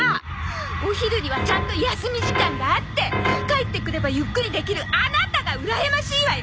お昼にはちゃんと休み時間があって帰ってくればゆっくりできるあなたがうらやましいわよ！